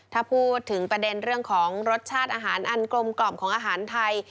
ถ้าพูดถึงประเด็นเรื่องของรสชาติอาหารอันกลมกล่อมของอาหารไทย